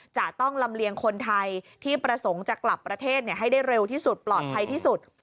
จะต้องลำเลียงคนไทยที่ประสงค์จะกลับประเทศให้ได้เร็วที่สุดปลอดภัยที่สุด